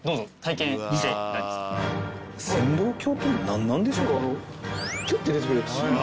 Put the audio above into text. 何なんでしょう？